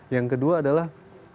yang kedua adalah